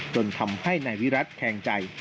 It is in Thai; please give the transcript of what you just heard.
จนทำให้นายวิรัติแคงใจ